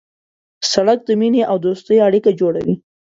سړک د مینې او دوستۍ اړیکه جوړوي.